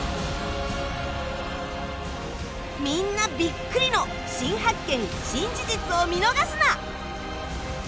みんなビックリの新発見・新事実を見逃すな！